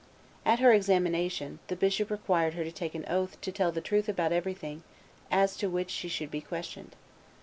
At her examination, the bishop required her to take an oath to tell the truth about everything as to which she should be questioned."